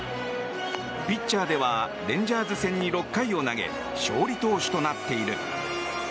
ピッチャーではレンジャーズ戦に６回を投げ勝利投手となっている。